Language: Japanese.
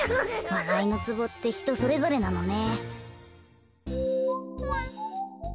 わらいのツボってひとそれぞれなのね。